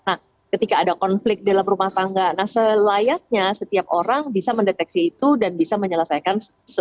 nah ketika ada konflik dalam rumah tangga nah selayaknya setiap orang bisa mendeteksi itu dan bisa menyelesaikan sebelum ada hal hal yang tidak diinginkan